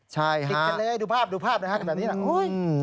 ใช่ค่ะดูภาพนะครับแบบนี้นะ